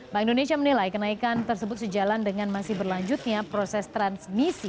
bank indonesia menilai kenaikan tersebut sejalan dengan masih berlanjutnya proses transmisi